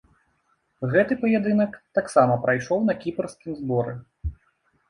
Гэты паядынак таксама прайшоў на кіпрскім зборы.